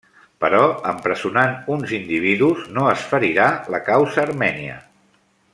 Però empresonant uns individus no es ferirà la causa armènia.